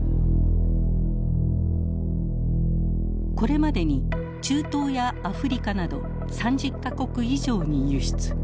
これまでに中東やアフリカなど３０か国以上に輸出。